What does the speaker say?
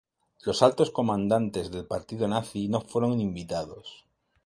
Los altos comandantes del partido nazi no fueron invitados.